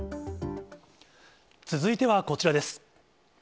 続いてはこちらです。